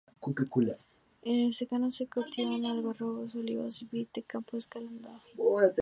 En el secano se cultivan algarrobos, olivos y vid, en campos escalonados.